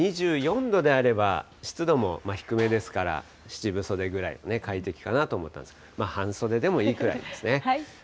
２４度であれば、湿度も低めですから、７分袖くらい、快適かなと思ったんですけど、半袖でもいいくらいですね。